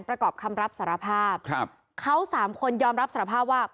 ประกอบคำรับสารภาพครับเขาสามคนยอมรับสารภาพว่า